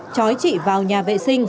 chói chị vào nhà vệ sinh